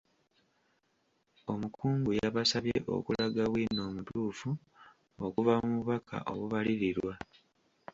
Omukungu yabasabye okulaga bwino omutuufu okuva mu bubaka obubalirirwa.